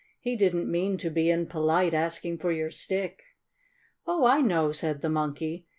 "He didn't mean to be impolite, asking for your stick." "Oh, I know," said the Monkey.